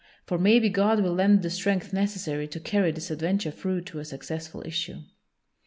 For maybe God will lend the strength necessary to carry this adventure through to a successful issue."